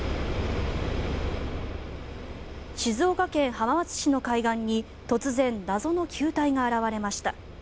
静岡県浜松市の海岸に突然、謎の球体が現れました。